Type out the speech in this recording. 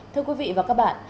thưa quý vị và các bạn